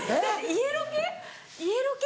「家ロケ」？